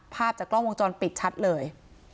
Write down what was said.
ภาพจากกล้องวงจรปิดชัดเลย